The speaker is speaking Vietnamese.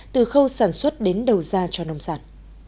từ khâu sản xuất đến đầu ra cho nông sản